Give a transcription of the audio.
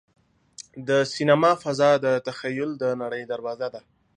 د سینما فضا د تخیل د نړۍ دروازه ده.